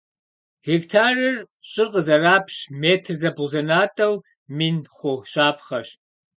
Гектарыр щӏыр къызэрапщ, метр зэбгъузэнатӏэу мин хъу щапхъэщ.